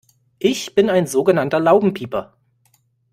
Ich bin ein sogenannter Laubenpieper.